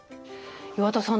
岩田さん